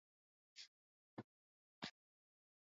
Samia Suluhu Hassan alichaguliwa kwa kura mia tatu na tisini